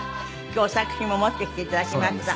今日は作品も持ってきていただきました。